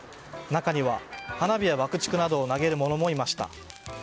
中には、花火や爆竹などを投げる者もいました。